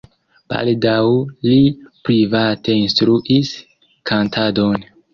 Baldaŭ li private instruis kantadon.